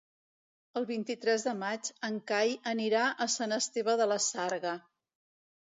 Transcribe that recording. El vint-i-tres de maig en Cai anirà a Sant Esteve de la Sarga.